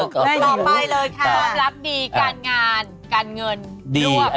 ความรักดีการงานการเงินดูอะ